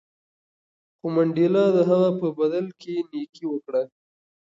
خو منډېلا د هغه په بدل کې نېکي وکړه.